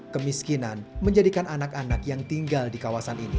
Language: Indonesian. kemiskinan menjadikan anak anak yang tinggal di kawasan ini